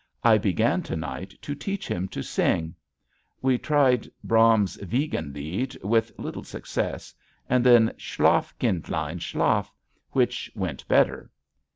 I began to night to teach him to sing. We tried Brahms's "Wiegenlied," with little success, and then "Schlaf, Kindlein, Schlaf," which went better.